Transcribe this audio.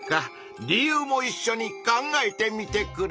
理由もいっしょに考えてみてくれ。